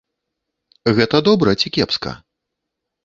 Гэта добра ці кепска?